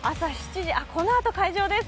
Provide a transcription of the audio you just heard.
このあと、開場です。